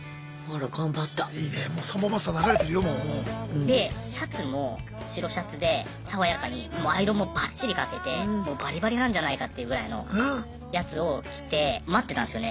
でシャツも白シャツで爽やかにアイロンもバッチリかけてもうバリバリなんじゃないかっていうぐらいのやつを着て待ってたんですよね。